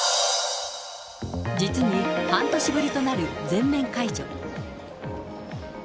実に半年ぶりとなる全面解除。